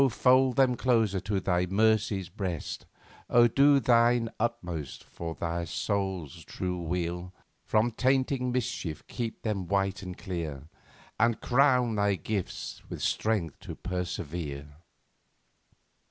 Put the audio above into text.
fold them closer to Thy mercy's breast, O! do Thine utmost, for their souls' true weal; From tainting mischief keep them white and clear, And crown Thy gifts with strength to persevere."